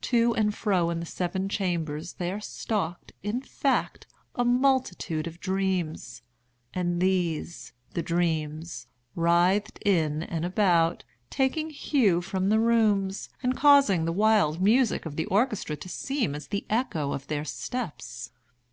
To and fro in the seven chambers there stalked, in fact, a multitude of dreams. And these—the dreams—writhed in and about, taking hue from the rooms, and causing the wild music of the orchestra to seem as the echo of their steps.